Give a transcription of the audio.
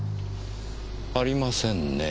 ありませんねぇ。